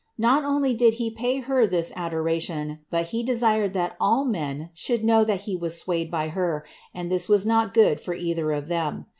Not only did he pay her this adoration, bnt he desired that all men should know that he was swayed by her, and this was not good for either of them.